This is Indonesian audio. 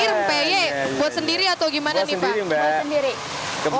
ini peye buat sendiri atau gimana nih pak